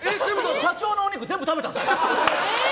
社長のお肉、全部食べたんです。